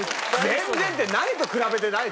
全然って何と比べてないだろ。